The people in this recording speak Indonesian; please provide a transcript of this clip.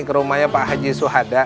ke rumahnya pak haji suhada